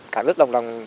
cả nước đồng đồng